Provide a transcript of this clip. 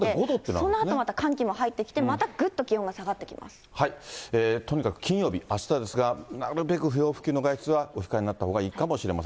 そのあとまた寒気も入って、またとにかく金曜日、あしたですが、なるべく不要不急の外出はお控えになったほうがいいかもしれません。